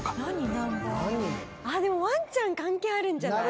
あっでもワンちゃん関係あるんじゃない？